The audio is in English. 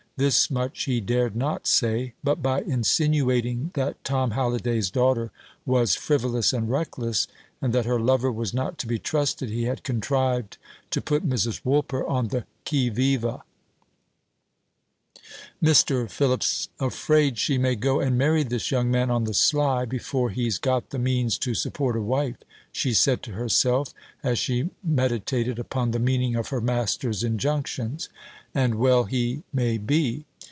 Thus much he dared not say; but by insinuating that Tom Halliday's daughter was frivolous and reckless, and that her lover was not to be trusted, he had contrived to put Mrs. Woolper on the qui vive. "Mr. Philip's afraid she may go and marry this young man on the sly, before he's got the means to support a wife," she said to herself, as she meditated upon the meaning of her master's injunctions; "and well he may be.